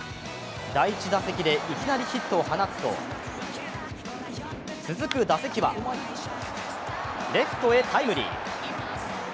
第１打席でいきなりヒットを放つと続く打席はレフトへタイムリー。